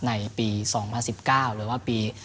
ในปี๒๐๑๙หรือว่าปี